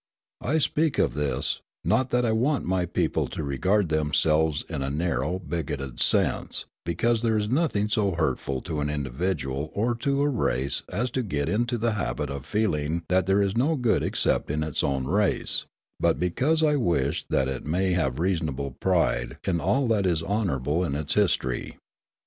I speak of this, not that I want my people to regard themselves in a narrow, bigoted sense, because there is nothing so hurtful to an individual or to a race as to get into the habit of feeling that there is no good except in its own race, but because I wish that it may have reasonable pride in all that is honourable in its history.